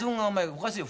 おかしいよ。